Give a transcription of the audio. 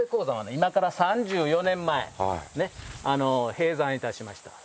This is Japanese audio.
今から３４年前閉山いたしました。